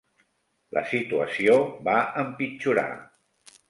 La situació va empitjorar.